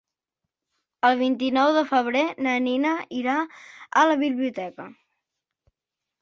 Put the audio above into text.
El vint-i-nou de febrer na Nina irà a la biblioteca.